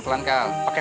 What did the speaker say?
yang apa sih